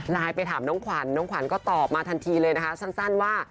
ไปถามน้องขวัญน้องขวัญก็ตอบมาทันทีเลยนะคะสั้นว่า